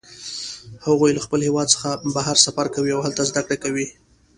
هغوی له خپل هیواد څخه بهر سفر کوي او هلته زده کړه کوي